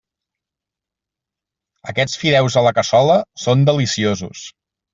Aquests fideus a la cassola són deliciosos.